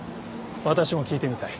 私も聞いてみたい。